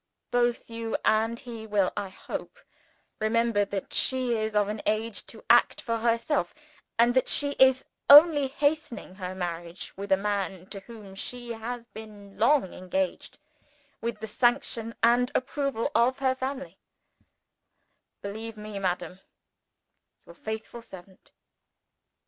Both you and he will, I hope, remember that she is of an age to act for herself, and that she is only hastening her marriage with a man to whom she has been long engaged, with the sanction and approval of her family Believe me, Madam, your faithful Servant, "OSCAR DUBOURG."